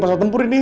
pasok tempur ini